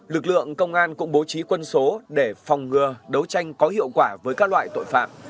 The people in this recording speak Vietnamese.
lực lượng công an cũng bố trí quân số để phòng ngừa đấu tranh có hiệu quả với các loại tội phạm